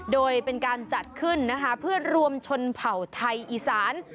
โดยเป็นการจัดขึ้นนะคะเพื่อรวมชนเผ่าไทยอีสาน